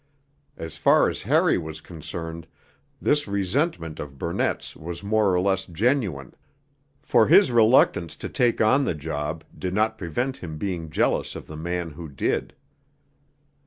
As far as Harry was concerned this resentment of Burnett's was more or less genuine, for his reluctance to take on the job did not prevent him being jealous of the man who did.